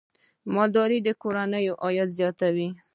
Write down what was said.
مالداري د کورنیو عاید زیاتوي.